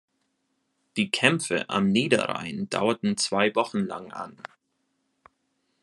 Die Kämpfe am Niederrhein dauerten zwei Wochen lang an.